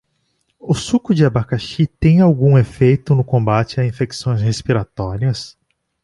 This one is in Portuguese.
O suco de abacaxi tem algum efeito no combate a infecções respiratórias?